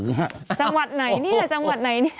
จังหวัดไหนเนี่ยจังหวัดไหนเนี่ย